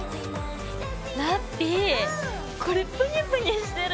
ラッピィこれぷにぷにしてる。